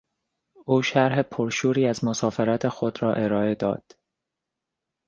او شرح پرشوری از مسافرت خود را ارائه داد.